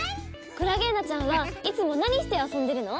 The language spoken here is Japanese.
クラゲーナちゃんはいつも何して遊んでるの？